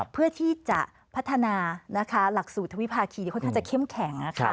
เพื่อที่จะพัฒนาหลักสูตรทวิภาคีที่ค่อนข้างจะเข้มแข็ง